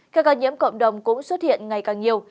các ca nhiễm cộng đồng cũng xuất hiện ngày càng nhiều